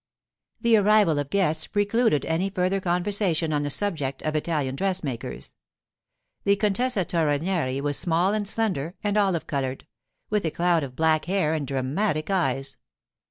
The arrival of guests precluded any further conversation on the subject of Italian dressmakers. The Contessa Torrenieri was small and slender and olive coloured, with a cloud of black hair and dramatic eyes.